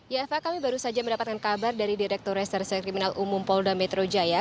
ya eva kami baru saja mendapatkan kabar dari direktur reserse kriminal umum polda metro jaya